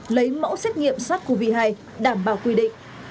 lấy mẫu xét nghiệm sars cov hai đảm bảo quy định